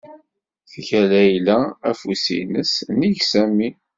Tga Layla afus nns nnig Sami.